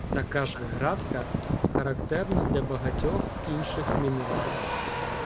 Така ж ґратка характерна для багатьох інших мінералів.